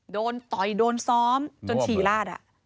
โดนต่อยโดนซ้อมจนฉี่ลาด